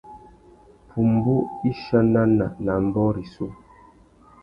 Pumbú i chanana nà ambōh rissú.